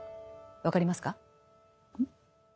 分かりますか？